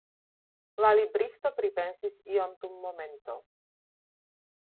La libristo pripensis ion dum momento.